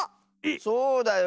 そうだよ。